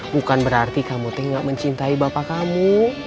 bukan berarti kamu tinggal mencintai bapak kamu